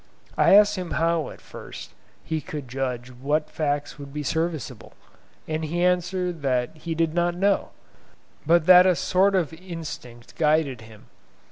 I asked him how at first he could judge what facts would be serviceable, and he answered that he did not know, but that a sort of instinct guided him.